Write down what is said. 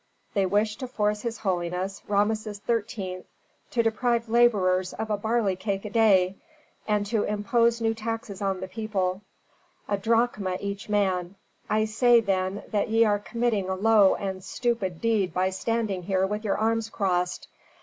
They wish to force his holiness, Rameses XIII., to deprive laborers of a barley cake a day, and to impose new taxes on the people, a drachma each man. I say, then, that ye are committing a low and stupid deed by standing here with your arms crossed.